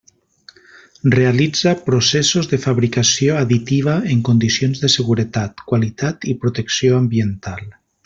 Realitza processos de fabricació additiva en condicions de seguretat, qualitat i protecció ambiental.